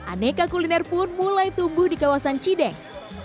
aneka kuliner pun mulai tumbuh di kawasan cideng